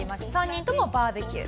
３人ともバーベキュー。